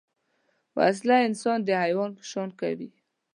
وسله انسان د حیوان په شان کوي